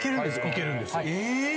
いけるんです。